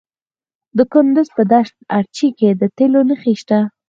د کندز په دشت ارچي کې د تیلو نښې شته.